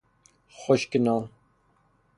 خشک نان